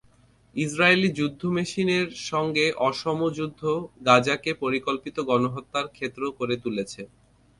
Israeli যুদ্ধমেশিনের সঙ্গে অসম যুদ্ধ গাজাকে পরিকল্পিত গণহত্যার ক্ষেত্র করে তুলেছে।